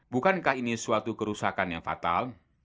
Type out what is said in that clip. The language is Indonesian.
bukankah ini suatu kerusakan yang fatal